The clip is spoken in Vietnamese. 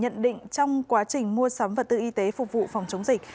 nhận định trong quá trình mua sắm vật tư y tế phục vụ phòng chống dịch